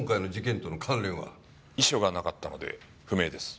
遺書がなかったので不明です。